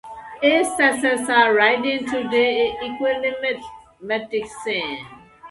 Its successor riding today is Esquimalt-Metchosin.